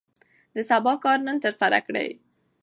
د سبا کار نن ترسره کړئ.